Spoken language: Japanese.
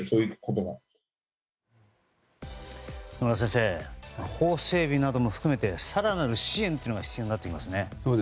野村先生法整備なども含めて更なる支援というのが必要になってきますね。